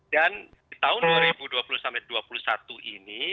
dan di tahun dua ribu dua puluh dua ribu dua puluh satu ini